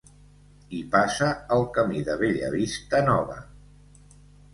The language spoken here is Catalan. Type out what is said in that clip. Hi passa el Camí de Bellavista Nova.